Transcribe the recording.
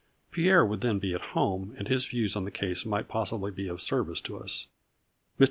Pierre would then be at home, and his views of the case might possibly be of service to us. Mr.